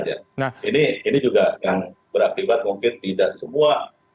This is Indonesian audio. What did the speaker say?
ini juga yang berakibat mungkin tidak semua